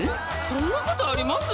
そんなことあります？